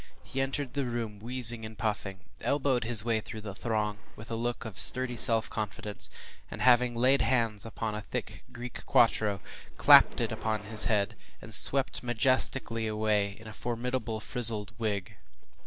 He entered the room wheezing and puffing, elbowed his way through the throng with a look of sturdy self confidence, and, having laid hands upon a thick Greek quarto, clapped it upon his head, and swept majestically away in a formidable frizzled wig.